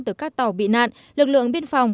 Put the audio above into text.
từ các tàu bị nạn lực lượng biên phòng